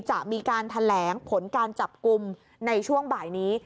จะมีการแถลงผลการจับกลุ่มในช่วงบ่ายนี้